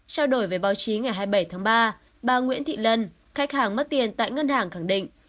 trao đổi với báo chí ngày hai mươi bảy tháng ba bà nguyễn thị lân khách hàng mất tiền tại ngân hàng khẳng định